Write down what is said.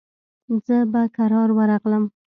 زه به کرار ورغلم.